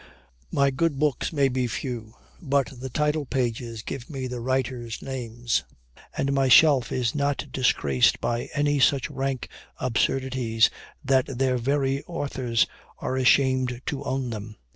My books may be few; but the title pages give me the writers' names, and my shelf is not disgraced by any such rank absurdities, that their very authors are ashamed to own them."